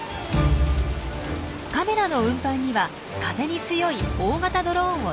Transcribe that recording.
カメラの運搬には風に強い大型ドローンを使用。